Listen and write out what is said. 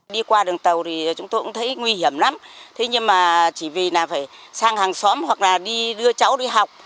đi qua đường tàu thì chúng tôi cũng thấy nguy hiểm lắm thế nhưng mà chỉ vì là phải sang hàng xóm hoặc là đi đưa cháu đi học